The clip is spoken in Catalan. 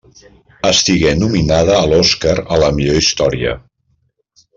Estigué nominada a l'Oscar a la millor història.